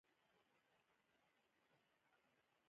له همدې امله دلته د قبر لپاره ځای اخیستل ډېر ګران دي.